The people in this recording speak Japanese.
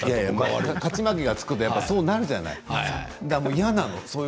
勝ち負けがつくとそうなるでしょう？